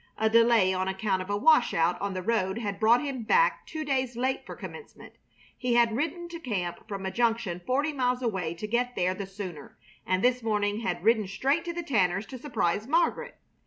A delay on account of a washout on the road had brought him back two days late for Commencement. He had ridden to camp from a junction forty miles away to get there the sooner, and this morning had ridden straight to the Tanners' to surprise Margaret.